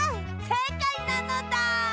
せいかいなのだ！